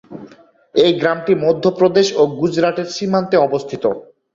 এই গ্রামটি মধ্যপ্রদেশ ও গুজরাটের সীমান্তে অবস্থিত।